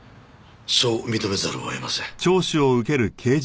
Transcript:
そう認めざるを得ません。